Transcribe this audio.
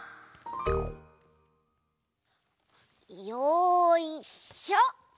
よいしょ！